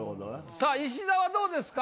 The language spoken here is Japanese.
さあ石田はどうですか？